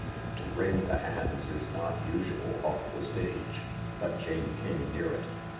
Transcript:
To wring the hands is not usual off the stage, but Jane came near it.